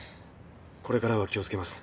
これからは気を付けます。